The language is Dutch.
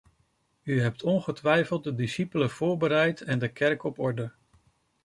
U hebt ongetwijfeld de discipelen voorbereid en de kerk op orde.